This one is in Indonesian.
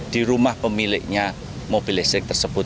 di rumah pemiliknya mobil listrik tersebut